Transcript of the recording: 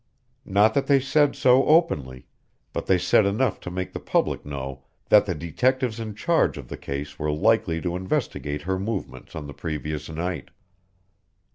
Not that they said so openly, but they said enough to make the public know that the detectives in charge of the case were likely to investigate her movements on the previous night.